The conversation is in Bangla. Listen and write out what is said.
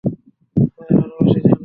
তোমায় ভালোবাসি, জানু।